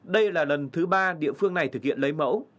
đây là lần thứ ba địa phương này thực hiện lấy mẫu